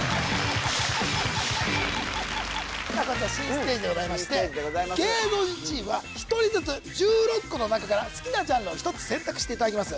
さあこちら新ステージでございまして芸能人チームは１人ずつ１６個の中から好きなジャンルを１つ選択していただきます